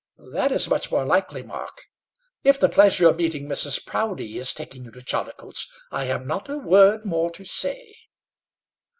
"That is much more likely, Mark. If the pleasure of meeting Mrs. Proudie is taking you to Chaldicotes, I have not a word more to say."